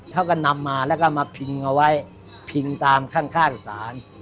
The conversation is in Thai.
เขาก็นำมาแล้วก็มาพิงเอาไว้พิงตามข้างศาล